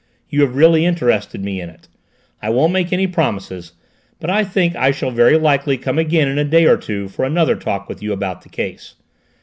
You have really interested me in it. I won't make any promises, but I think I shall very likely come again in a day or two for another talk with you about the case.